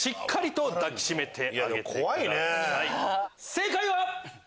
正解は。